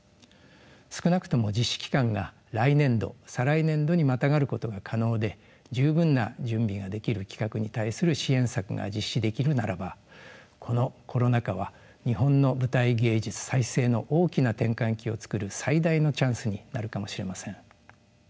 少なくとも実施期間が来年度再来年度にまたがることが可能で十分な準備ができる企画に対する支援策が実施できるならばこのコロナ禍は日本の舞台芸術再生の大きな転換期を作る最大のチャンスになるかもしれません。